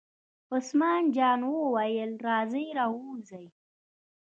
عثمان جان وویل: راځئ را ووځئ.